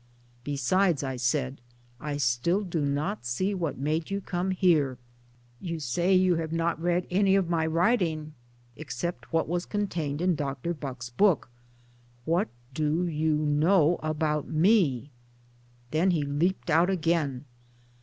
" Besides," I said, " I still do not see what made you come here. You say you have not read any of my writing except what was contained in Dr. Bucke's book. What do you know about me? " Then he leaped out again.